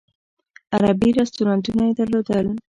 عربي رستورانونه یې درلودل.